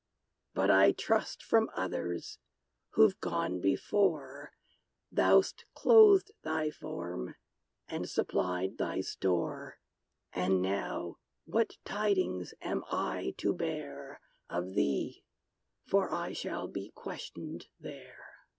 But I trust from others, who've gone before, Thou'st clothed thy form, and supplied thy store And now, what tidings am I to bear Of thee for I shall be questioned there?"